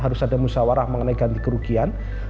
harus ada musyawarah mengenai ganti kerugian